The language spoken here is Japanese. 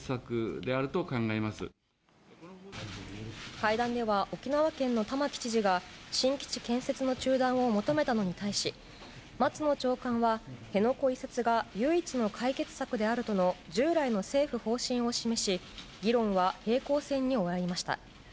会談では沖縄県の玉城知事が新基地建設の中断を求めたのに対し松野長官は辺野古移設が唯一の解決策であるとの従来の政府方針を示し議論は平行線に終わりました。